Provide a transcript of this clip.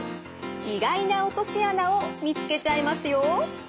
意外な落とし穴を見つけちゃいますよ！